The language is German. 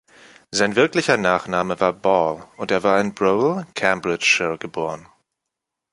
Sein wirklicher Nachname war Ball, und er war in Bruwell, Cambridgeshire, geboren.